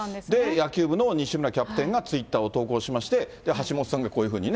野球部の西村キャプテンがツイッターを投稿しまして、橋下さんがこういうふうにね。